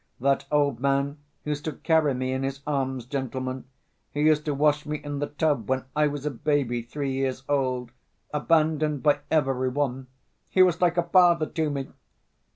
That old man used to carry me in his arms, gentlemen. He used to wash me in the tub when I was a baby three years old, abandoned by every one, he was like a father to me!..."